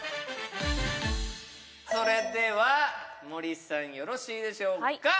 それでは森さんよろしいでしょうか？